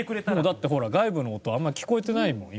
だってほら外部の音あまり聞こえてないもん